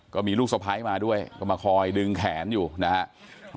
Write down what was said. ก็มีลูกสะพ้ายมาด้วยก็มาคอยดึงแขนอยู่นะครับ